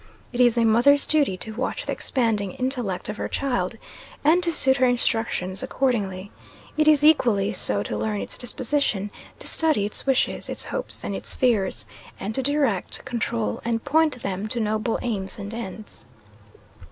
It is a mother's duty to watch the expanding intellect of her child, and to suit her instructions accordingly: it is equally so to learn its disposition to study its wishes, its hopes and its fears, and to direct, control, and point them to noble aims and ends.